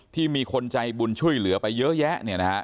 ที่มีคนใจบุญช่วยเหลือไปเยอะแยะเนี่ยนะฮะ